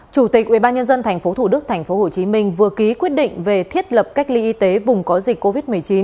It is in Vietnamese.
chủ tịch ubnd tp thủ đức tp hồ chí minh vừa ký quyết định về thiết lập cách ly y tế vùng có dịch covid một mươi chín